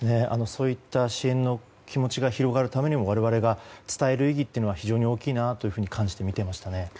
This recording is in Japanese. そういった支援の気持ちが広がるためにも我々が伝える意義というのは非常に大きいなと感じて見ていましたね。